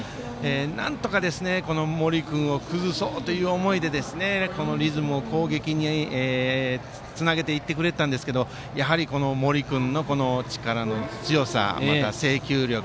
なんとか森君を崩そうという思いでこのリズムを攻撃につなげていってくれたんですがやはり森君の力の強さまた制球力。